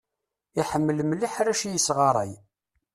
Iḥemmel mliḥ arrac i yesɣaṛay.